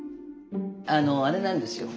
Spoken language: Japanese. あのあれなんですよ。